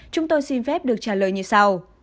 chúng tôi xin phép được trả lời như sau